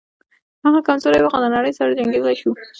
هغه کمزوری و خو د نړۍ سره جنګېدلی شو